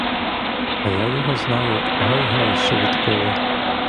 Та я його знаю гай-гай ще відколи!